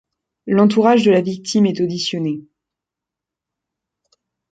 L'entourage de la victime est auditionné.